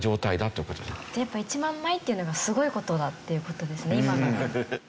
じゃあやっぱ１万枚っていうのがすごい事だっていう事ですね今の。